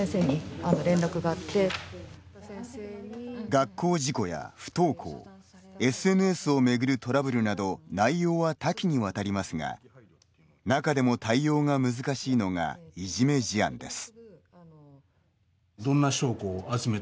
学校事故や不登校ＳＮＳをめぐるトラブルなど内容は多岐にわたりますが中でも対応が難しいのがいじめ事案です。